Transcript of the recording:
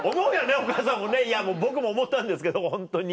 お母さんもねいや僕も思ったんですけどホントに。